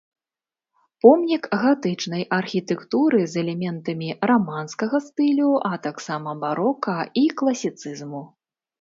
Помнік гатычнай архітэктуры з элементамі раманскага стылю, а таксама барока і класіцызму.